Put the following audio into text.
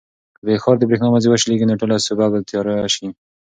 که د ښار د برېښنا مزي وشلېږي نو ټوله سوبه به تیاره شي.